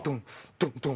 ドンドン！